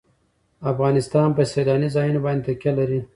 افغانستان په سیلانی ځایونه باندې تکیه لري.